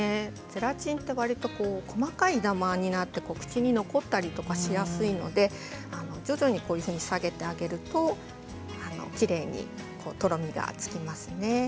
ゼラチンは細かいダマになってお口に残ったりしやすいので徐々に温度を下げてあげるときれいにとろみがつきます。